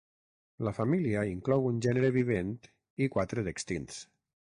La família inclou un gènere vivent i quatre d'extints.